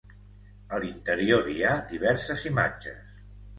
A l'interior hi ha diverses imatges.